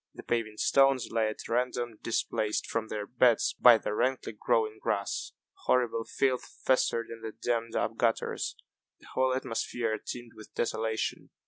The paving stones lay at random, displaced from their beds by the rankly growing grass. Horrible filth festered in the dammed up gutters. The whole atmosphere teemed with desolation.